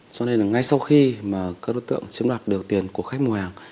cho nên ngay sau khi các đối tượng chiếm đạt được tiền của khách mua hàng